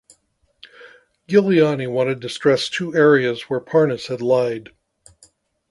Giuliani wanted to stress two areas where Parnas had "lied".